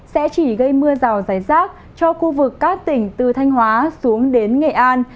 sẽ chỉ gây mưa rào rải rác cho khu vực các tỉnh từ thanh hóa xuống đến nghệ an